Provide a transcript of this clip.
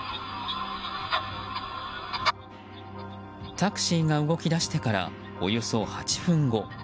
タクシーが動き出してからおよそ８分後。